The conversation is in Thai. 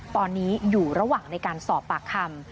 ตอนนี้อยู่ระหว่างในการสอบปากคำ